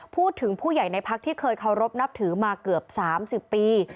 พูดถึงผู้ใหญ่ในพักที่เคยเคารพนับถือมาเกือบ๓๐ปี